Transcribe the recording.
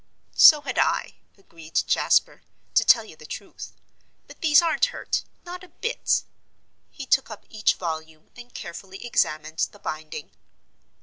"So had I," agreed Jasper, "to tell you the truth; but these aren't hurt; not a bit." He took up each volume, and carefully examined the binding.